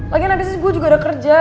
lagian abis itu gue juga udah kerja